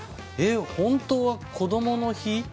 本当は、こどもの日？